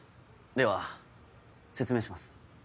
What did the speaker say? では説明します。